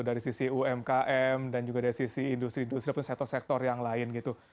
dari sisi umkm dan juga dari sisi industri industri ataupun sektor sektor yang lain gitu